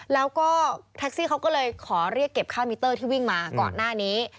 แล้วก็แท็กซี่เขาก็เลยขอเรียกเก็บค่ามิเตอร์ที่วิ่งมาก่อนหน้านี้